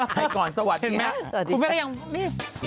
ใครก่อนสวัสดีนะ